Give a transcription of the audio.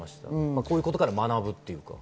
こういうことから学ぶというか。